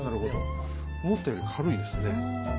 思ったより軽いですね。